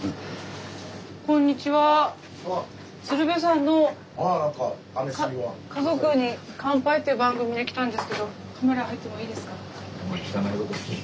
鶴瓶さんの「家族に乾杯」という番組で来たんですけどカメラ入ってもいいですか？